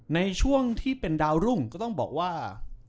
ในช่วงที่เป็นดาวรุ่งก็ต้องบอกว่า